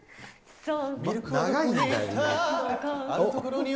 そう。